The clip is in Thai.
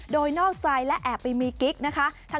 โดยนอกใจและแอบไปมีกิ๊กนะคะ